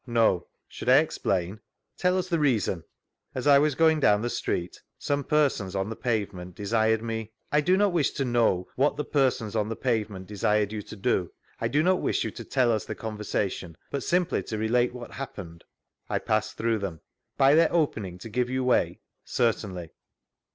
—No. Should I explain? Tell us the reason?— As I was going down the street, some persons on the pavement desired me— I do not wish to know what the persons on the pavement desired you to do ; I do not wish you to tell us the conversation, bqt simf^y to relate what happened? — I passed through them. By their openii^ to give you way? — Certainly.